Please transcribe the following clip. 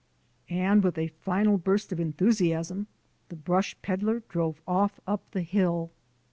And with a final burst of enthusiasm the brush peddler drove off up the hill.